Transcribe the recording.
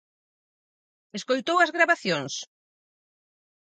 Escoitou as gravacións?